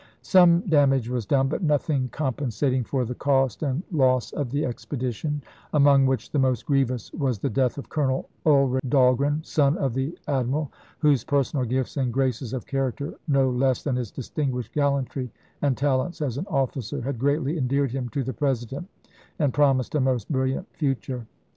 Some damage was done, but nothing compensating for the cost and loss of the expedi tion, among which the most giievous was the death of Colonel Ulric Dahlgren, son of the admi ral, whose personal gifts and graces of character, no less than his distinguished gallantry and talents as an officer, had greatly endeared him to the Pres ident, and promised a most brilliant future.